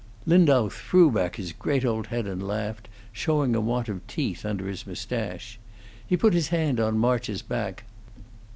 Lindau threw back his great old head and laughed, showing a want of teeth under his mustache. He put his hand on March's back.